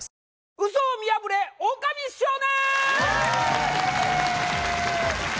ウソを見破れオオカミ少年！